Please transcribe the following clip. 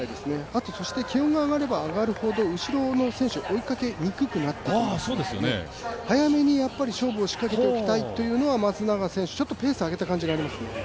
あと、そして気温が上がれば上がるほど後ろの選手が追いかけにくくなっていきますので早めに勝負を仕掛けておきたいというのが、松永選手ちょっとペース上げた感じですね。